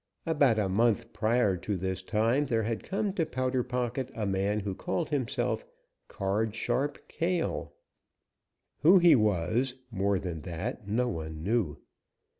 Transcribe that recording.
About a month prior to this time there had come to Powder Pocket a man who called himself Card Sharp Cale. Who he was, more than that, no one knew.